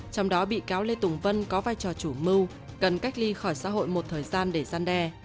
trong đó bị cáo lê tùng vân có vai trò chủ mưu cần cách ly khỏi xã hội một thời gian để gian đe